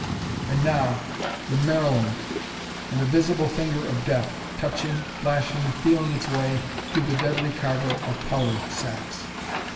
And now the Maryland! And a visible finger of death touching, flashing, feeling its way to the deadly cargo of powder sacks.